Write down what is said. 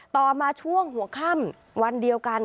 ต่อมาช่วงหัวค่ำวันเดียวกัน